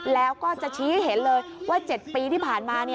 แล้วก็จะชี้ให้เห็นเลยว่า๗ปีที่ผ่านมา